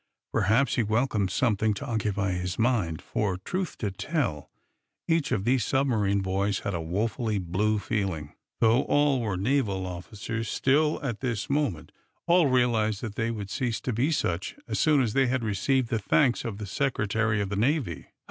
Perhaps he welcomed something to occupy his mind; for, truth to tell, each of these submarine boys had a woefully "blue" feeling. Though all were naval officers, still, at this moment, all realized that they would cease to be such as soon as they had received the thanks of the Secretary of the Navy.